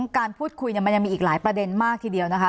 การพูดคุยมันยังมีอีกหลายประเด็นมากทีเดียวนะคะ